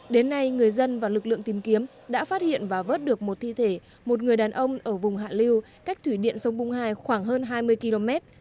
đến nay người dân và lực lượng tìm kiếm đã phát hiện và vớt được một thi thể một người đàn ông ở vùng hạ lưu cách thủy điện sông bung hai khoảng hơn hai mươi km